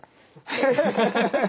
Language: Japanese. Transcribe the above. ハハハハハハッ。